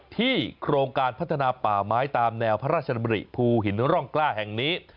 โครงการพัฒนาป่าไม้ตามแนวพระราชดำริภูหินร่องกล้าแห่งนี้